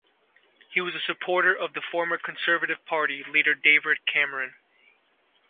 He was a supporter of the former Conservative Party leader David Cameron.